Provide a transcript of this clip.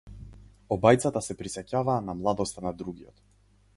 Обајцата се присеќаваа на младоста на другиот.